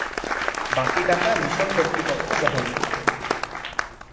বাকী টাকা মিশন কর্তৃপক্ষ বহন করতো।